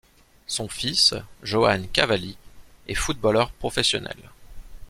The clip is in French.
Son fils Johan Cavalli est footballeur professionnel.